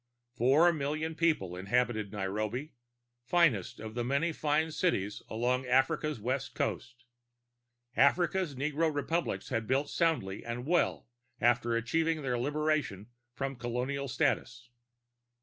Four million people inhabited Nairobi, finest of the many fine cities along Africa's western coast. Africa's Negro republics had built soundly and well after achieving their liberation from colonial status.